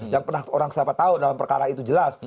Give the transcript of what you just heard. yang pernah orang siapa tahu dalam perkara itu jelas